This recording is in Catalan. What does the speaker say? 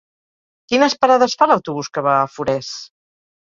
Quines parades fa l'autobús que va a Forès?